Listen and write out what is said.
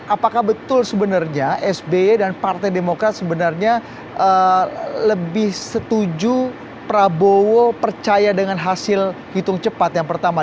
apakah betul sebenarnya sby dan partai demokrat sebenarnya lebih setuju prabowo percaya dengan hasil hitung cepat yang pertama